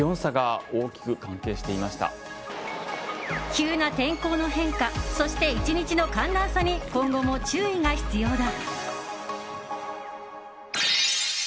急な天候の変化そして、１日の寒暖差に今後も注意が必要だ。